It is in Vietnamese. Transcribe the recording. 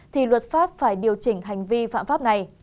thì luật pháp phải điều chỉnh hành vi phạm pháp này